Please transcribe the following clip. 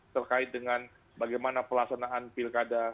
terkait dengan bagaimana pelaksanaan pilkada